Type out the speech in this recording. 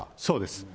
そうです。